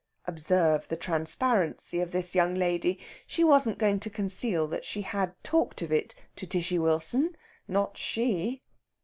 Observe the transparency of this young lady. She wasn't going to conceal that she had talked of it to Tishy Wilson not she!